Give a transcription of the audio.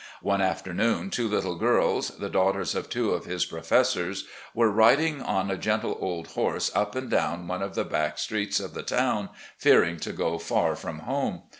One afternoon two little girls, the daughters of two of his professors, were riding on a gentle old horse up and down one of the back streets of the town, fearing to go far from home.